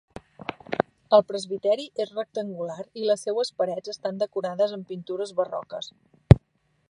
El presbiteri és rectangular i les seues parets estan decorades amb pintures barroques.